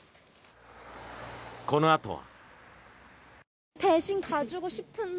このあとは。